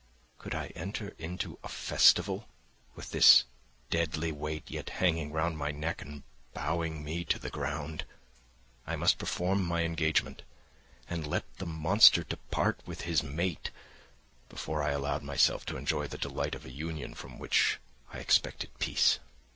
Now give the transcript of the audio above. Could I enter into a festival with this deadly weight yet hanging round my neck and bowing me to the ground? I must perform my engagement and let the monster depart with his mate before I allowed myself to enjoy the delight of a union from which I expected peace.